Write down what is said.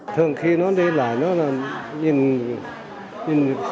thường khi nó đi lại nó nhìn